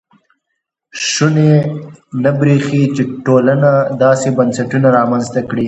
شونې نه برېښي چې ټولنه داسې بنسټونه رامنځته کړي.